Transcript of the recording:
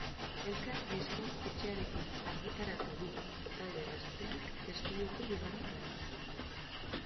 Elkar diskoetxearekin argitaratu du talde gazteak estudioko bigarren lana.